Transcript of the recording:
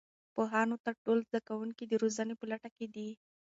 پوهانو ته ټول زده کوونکي د روزنې په لټه کې دي.